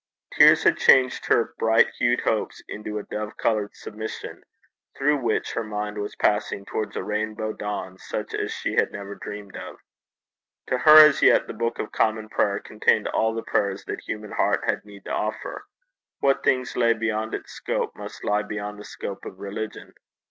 Tears had changed her bright hued hopes into a dove coloured submission, through which her mind was passing towards a rainbow dawn such as she had never dreamed of. To her as yet the Book of Common Prayer contained all the prayers that human heart had need to offer; what things lay beyond its scope must lie beyond the scope of religion.